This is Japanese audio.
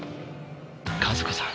和子さん。